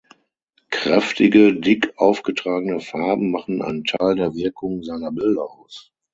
Kräftige, dick aufgetragene Farben machen einen Teil der Wirkung seiner Bilder aus.